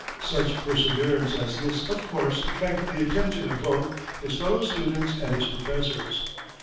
Such perseverance as this of course attracted the attention of both his fellow students and his professors.